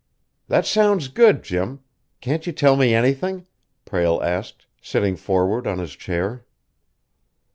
"That sounds good, Jim. Can't you tell me anything?" Prale asked, sitting forward on his chair.